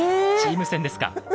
チーム戦ですか。